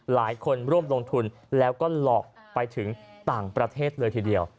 หลายคนร่วมลงทุนแล้วก็หลอกไปถึงต่างประเทศเลยทีเดียว